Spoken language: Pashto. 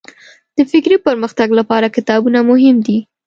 د فکري پرمختګ لپاره کتابونه مهم دي.